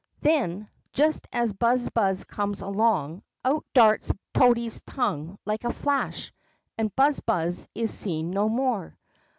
Then, just as Buzz buzz comes along, out darts toady's tongue like a flash, and Buzz buzz is seen no more.